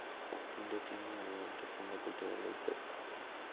Lindon tiene un abundante fondo cultural e histórico.